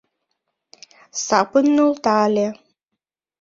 Сапым нӧлтале.